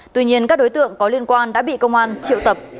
tuy nhiên các đối tượng có liên quan đã bị công an triệu tập